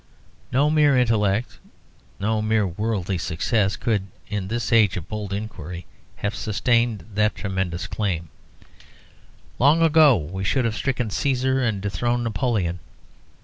No mere intellect, no mere worldly success could, in this age of bold inquiry, have sustained that tremendous claim; long ago we should have stricken Cæsar and dethroned Napoleon.